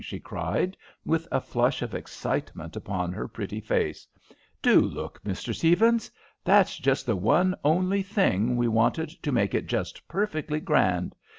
she cried, with a flush of excitement upon her pretty face. "Do look, Mr. Stephens! That's just the one only thing we wanted to make it just perfectly grand.